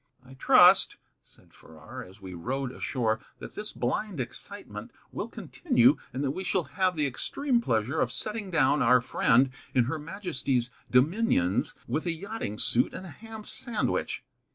"I trust," said Farrar, as we rowed ashore, "that this blind excitement will continue, and that we shall have the extreme pleasure of setting down our friend in Her Majesty's dominions with a yachting suit and a ham sandwich."